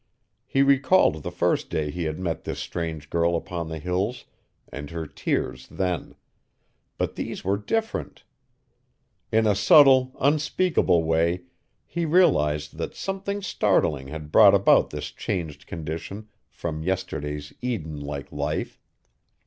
He recalled the first day he had met this strange girl upon the Hills and her tears then; but these were different. In a subtle, unspeakable way he realized that something startling had brought about this changed condition from yesterday's Eden like life.